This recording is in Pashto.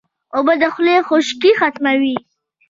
اوبه د خولې خشکي ختموي